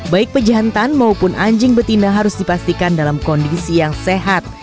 baik pejantan maupun anjing betina harus dipastikan dalam kondisi yang sehat